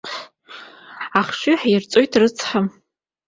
Ахшыҩ ҳирҵоит, рыцҳа!